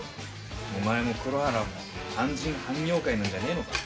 お前も黒原も半人半妖怪なんじゃねえのか？